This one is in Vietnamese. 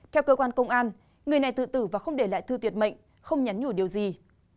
theo cơ quan công an người này tự tử và không để lại thư tiệt mệnh không nhắn nhủ điều gì